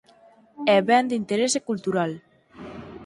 É Ben de Interese Cultural.